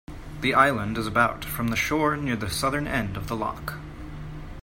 The island is about from the shore near the southern end of the loch.